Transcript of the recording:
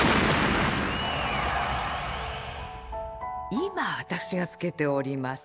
今私が着けております